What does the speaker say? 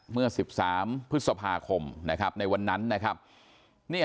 เมื่อ๑๓พฤษภาคมในวันนั้น